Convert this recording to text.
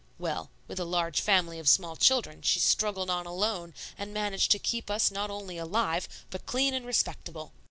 Well, with a large family of small children she struggled on alone and managed to keep us not only alive, but clean and respectable.